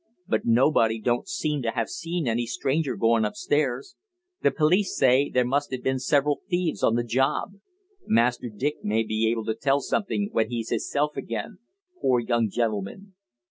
But nobody don't seem to have seen any stranger going upstairs the police say there must have been several thieves on the job. Master Dick may be able to tell something when he's hisself again, pore young gentleman."